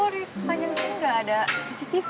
di tanjeng sini gak ada cctv